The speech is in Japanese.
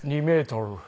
２メートル？